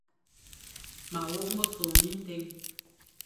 Ma wok mesong bi tèn.